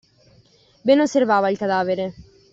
Ben osservava il cadavere.